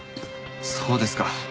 そうですか。